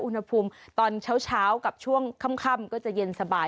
อุณหภูมิตอนเช้ากับช่วงค่ำก็จะเย็นสบาย